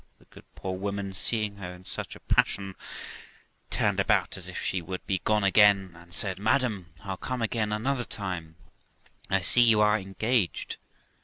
The good, poor woman, seeing her in such a passion, turned about as if she would be gone again, and said, 'Madam, I'll come again another time, I see you are engaged.'